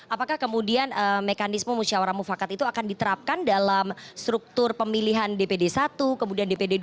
apakah kemudian mekanisme musyawarah mufakat itu akan diterapkan dalam struktur pemilihan dpd satu kemudian dpd dua